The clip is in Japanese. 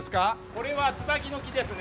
これはツバキの木ですね。